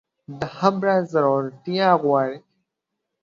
دا خبره زړورتيا غواړي.